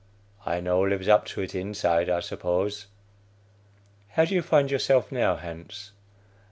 I no lives up to it inside, I suppose. (How do you find yourself now, Hans?)